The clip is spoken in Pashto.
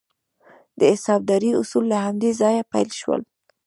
د حسابدارۍ اصول له همدې ځایه پیل شول.